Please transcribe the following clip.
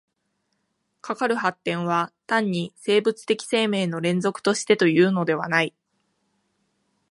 かかる発展は単に生物的生命の連続としてというのではない。